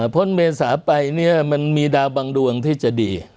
พ่นเมษาไปเนี่ยมันมีดาวบางดวงที่จะดี